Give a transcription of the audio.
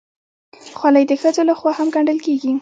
خولۍ د ښځو لخوا هم ګنډل کېږي.